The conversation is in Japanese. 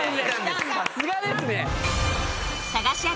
さすがですね。